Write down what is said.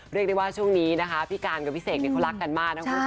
เรียกได้ว่าช่วงนี้นะคะพี่การกับพี่เสกเขารักกันมากนะคุณผู้ชม